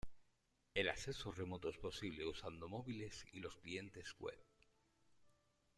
El acceso remoto es posible usando móviles y los clientes Web.